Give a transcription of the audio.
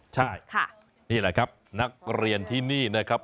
ใช่นี่แหละครับนักเรียนที่นี่นะครับ